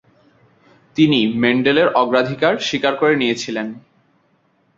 তিনি মেন্ডেলের অগ্রাধিকার স্বীকার করে নিয়েছিলেন।